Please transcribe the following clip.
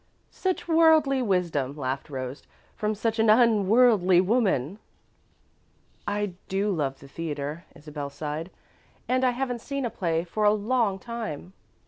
"Such worldly wisdom," laughed Rose, "from such an unworldly woman!" "I do love the theatre," Isabel sighed, "and I haven't seen a play for a long time."